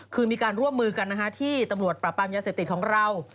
คือมีการร่วมมือกันที่ตำรวจปรับปรามยาเสพติดของเรา